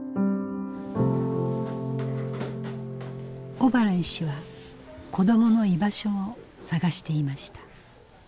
小原医師は子どもの居場所を探していました。